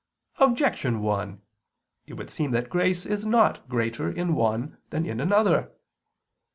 Objection 1: It would seem that grace is not greater in one than in another.